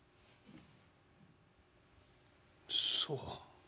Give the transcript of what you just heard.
「そう。